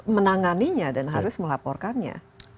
menanganinya dan harus melaporkannya